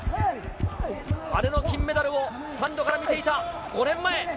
姉の金メダルをスタンドから見ていた５年前。